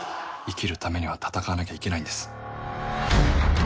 生きるためには戦わなきゃいけないんです。